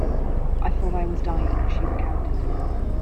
"I thought I was dying," she recounted.